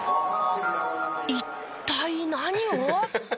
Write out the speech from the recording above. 一体何を？